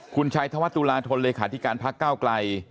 คุณชัยธวรรษตุลาธลเลขาธิการภักดิ์ก้าวกลัย